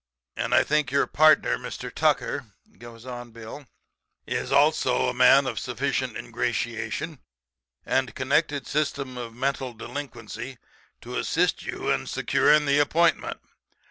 And I think your partner, Mr. Tucker,' goes on Bill, 'is also a man of sufficient ingratiation and connected system of mental delinquency to assist you in securing the appointment.